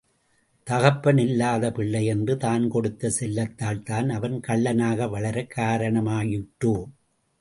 தகப்பன் இல்லாத பிள்ளை என்று, தான் கொடுத்த செல்லத்தால் தான், அவன் கள்ளனாக வளர காரணமாயிற்றோ!